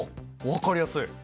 分かりやすい。